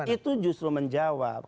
itu justru menjawab